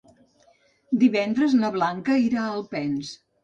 Divendres na Blanca irà a Alpens.